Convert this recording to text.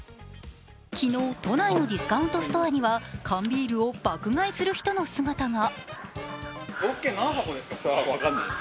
昨日、都内のディスカウントストアには缶ビールを爆買いする人の姿が。